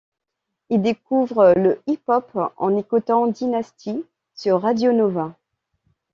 Il découvre le hip-hop en écoutant Dee Nasty sur Radio Nova.